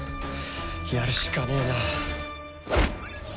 やるしかねえな。